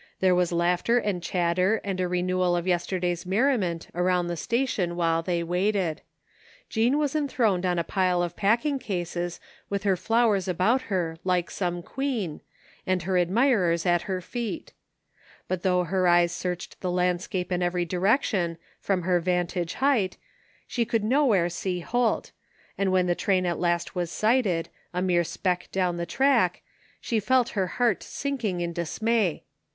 There was laughter and chatter and a renewal of yesterday's mer riment around the station while they waited. Jean 240 THE FINDING OF JASPEE HOLT was enthroned on a pile of packing cases with her flowers about her like some queen, and her ad mirers at her feet But though her eyes searched the landscape in every direction, from her vantage height, she could nowhere see Holt, and when the train at last was sighted, a mere speck down the track, she felt her heart sinking in dismay.